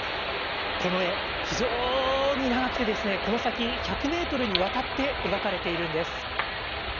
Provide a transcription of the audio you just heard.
この絵、非常に長くて、この先１００メートルにわたって描かれているんです。